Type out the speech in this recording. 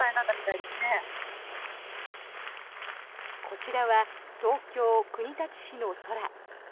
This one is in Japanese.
こちらは東京・国立市の空。